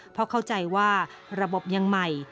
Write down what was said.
เพราะเข้าใจว่าระบบยังใหม่